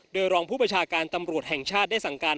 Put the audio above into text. โดยรองผู้ประชาการตำรวจแห่งชาติได้สั่งการ